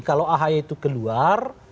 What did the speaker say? kalau ahy itu keluar